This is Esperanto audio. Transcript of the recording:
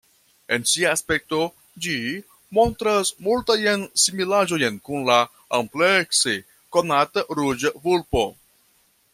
En sia aspekto ĝi montras multajn similaĵojn kun la amplekse konata Ruĝa vulpo.